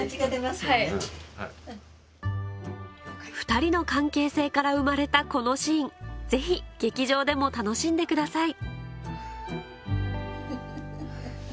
２人の関係性から生まれたこのシーンぜひ劇場でも楽しんでください